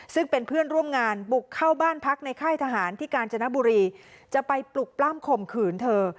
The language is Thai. ซึ่งเป็นเพื่อนร่วมงานบุกเข้าบ้านพักในค่ายทหารที่กาญจนบุรีจะไปปลุกปล้ำข่มขืนเธอ